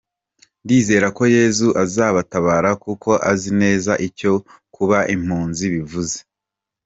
Ndizera ko Yezu azabatabara kuko azi neza icyo kuba impunzi bivuze.